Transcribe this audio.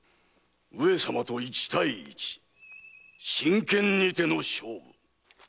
上様と一対一真剣にての勝負。